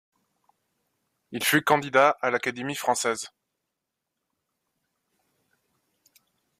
Il fut candidat à l'Académie française.